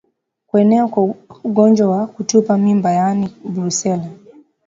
Kuenea kwa ugonjwa wa kutupa mimba yaani Brusela